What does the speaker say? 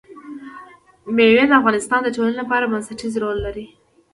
مېوې د افغانستان د ټولنې لپاره بنسټيز رول لري.